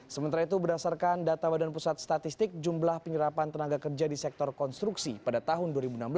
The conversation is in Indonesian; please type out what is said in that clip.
sementara itu berdasarkan data badan pusat statistik jumlah penyerapan tenaga kerja di sektor konstruksi pada tahun dua ribu enam belas